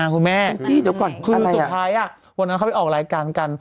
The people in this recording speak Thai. คุณแม่คือสุดท้ายอ่ะวันนั้นเขาไปออกรายการกัน